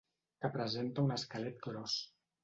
Que presenta un esquelet gros.